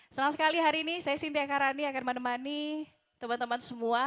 selamat sekali hari ini saya sinti akarani akan menemani teman teman semua